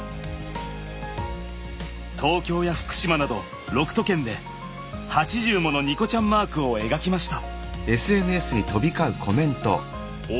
東京や福島など６都県で８０ものニコちゃんマークを描きました。